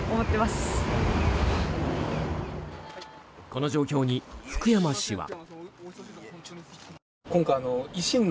この状況に福山氏は。